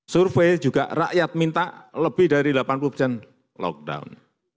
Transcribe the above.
survei juga rakyat minta lebih dari delapan puluh persen lockdown